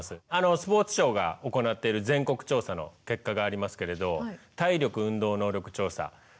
スポーツ庁が行っている全国調査の結果がありますけれど体力運動能力調査。